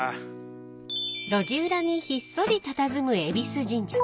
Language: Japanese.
［路地裏にひっそりたたずむ衣美須神社］